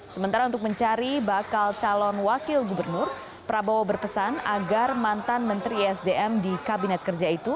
sementara untuk mencari bakal calon wakil gubernur prabowo berpesan agar mantan menteri esdm di kabinet kerja itu